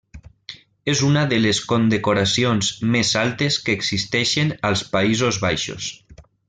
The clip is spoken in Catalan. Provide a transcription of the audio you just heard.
És una de les condecoracions més altes que existeixen als Països Baixos.